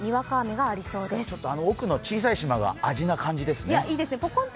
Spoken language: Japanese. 奥の小さい島があじな感じですね。